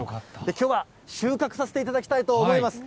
きょうは収穫させていただきたいと思います。